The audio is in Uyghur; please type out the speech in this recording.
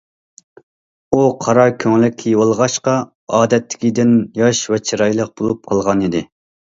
ئۇ قارا كۆڭلەك كىيىۋالغاچقا، ئادەتتىكىدىن ياش ۋە چىرايلىق بولۇپ قالغانىدى.